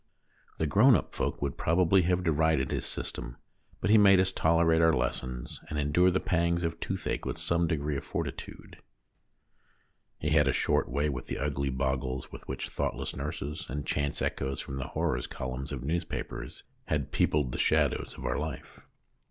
The grown up folk would probably have derided his system, but he made us tolerate our lessons, and endure the pangs of toothache with some degree of fortitude. He had a short way with the ugly bogles with which thoughtless nurses and chance echoes from the horrors columns of newspapers had peopled the shadows of our life.